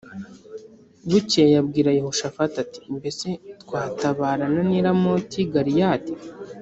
Bukeye abwira Yehoshafati ati “Mbese twatabarana n’i Ramoti y’i Galeyadi?”